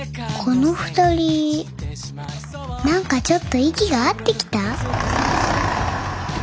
この２人何かちょっと息が合ってきた？